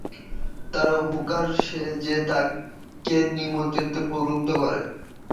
তারা হুকার সেজে তাকে লিমোতে প্রলুব্ধ করে।